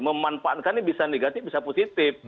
memanfaatkan ini bisa negatif bisa positif